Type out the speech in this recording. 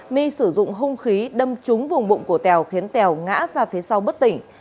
my sử dụng hung khí đâm trúng vùng bụng của tèo khiến tèo ngã ra phía sau bất tỉnh